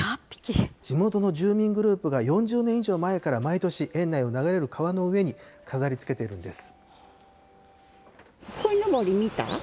地元の住民グループが４０年以上前から毎年、園内を流れる川の上に飾りつけているんです。